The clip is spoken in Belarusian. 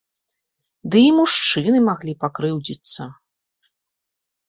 Ды і мужчыны маглі пакрыўдзіцца.